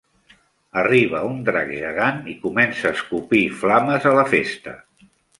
Arriba un drac gegant i comença a escopir flames a la festa.